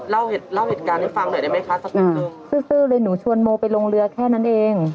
เล่าเหตุการณ์ให้ฟังหน่อยได้ไหมคะสักอย่างซื้อเลยหนูชวนโมไปลงเรือแค่นั้นเอง